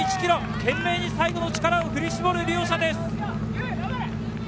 懸命に最後の力を振り絞る両者です。